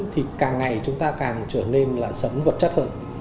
thì càng ngày chúng ta càng trở nên là sống vật chất hơn